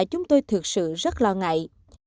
chúng tôi thực sự rất lo ngại